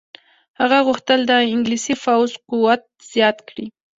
هغه غوښتل د انګلیسي پوځ قوت زیات کړي.